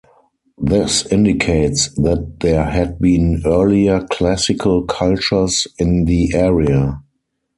This indicates that there had been earlier classical cultures in the area.